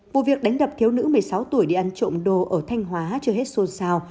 vụ việc đánh đập thiếu nữ một mươi sáu tuổi đi ăn trộm đồ ở thanh hóa chưa hết xôn xao